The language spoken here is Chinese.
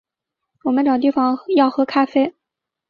我们找地方要喝咖啡